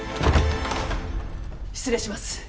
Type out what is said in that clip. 失礼します。